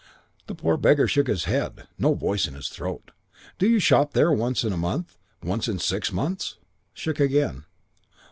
"The poor beggar shook his head. No voice in his throat. "'Do you shop there once in a month, once in six months?' "Shook again.